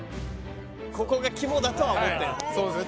ここが肝だとは思ってるそうですね